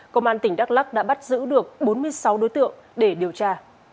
công an tỉnh đắk lắc đã bắt giữ được bốn mươi sáu đối tượng để điều tra